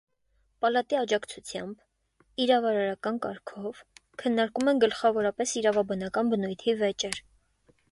Պալատի աջակցությամբ, իրավարարական կարգով, քննարկում են գլխավորապես իրավաբանական բնույթի վեճեր։